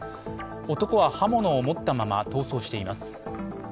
男は刃物を持ったまま逃走しています。